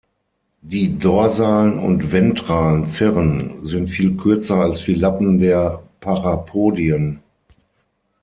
Die dorsalen und ventralen Cirren sind viel kürzer als die Lappen der Parapodien.